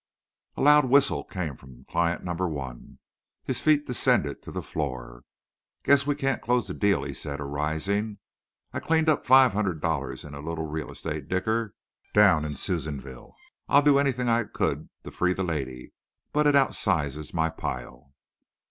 A loud whistle came from client number one. His feet descended to the floor. "Guess we can't close the deal," he said, arising, "I cleaned up five hundred dollars in a little real estate dicker down in Susanville. I'd do anything I could to free the lady, but it out sizes my pile."